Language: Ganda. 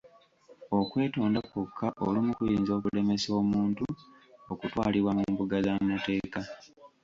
Okwetonda kwokka olumu kuyinza okulemesa omuntu okutwalibwa mu mbuga z'amateeka.